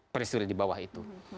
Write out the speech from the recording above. pressure di bawah itu